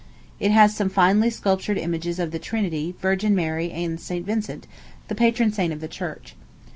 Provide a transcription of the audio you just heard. It has some finely sculptured images of the Trinity, Virgin Mary, and St. Vincent, the patron saint of the church.